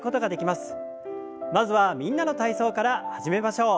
まずは「みんなの体操」から始めましょう。